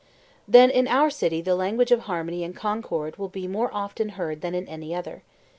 Then in our city the language of harmony and concord will be more often heard than in any other.